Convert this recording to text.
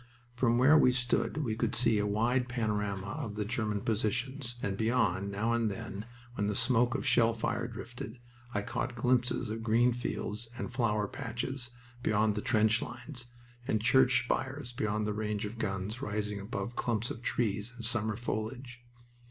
From where we stood we could see a wide panorama of the German positions, and beyond, now and then, when the smoke of shellfire drifted, I caught glimpses of green fields and flower patches beyond the trench lines, and church spires beyond the range of guns rising above clumps of trees in summer foliage.